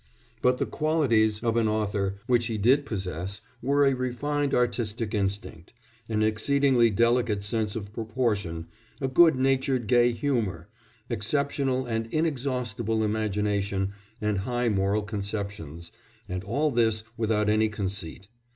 But the qualities of an author which he did possess were a refined artistic instinct, an exceedingly delicate sense of proportion, a good natured gay humour, exceptional and inexhaustible imagination and high moral conceptions, and all this without any conceit.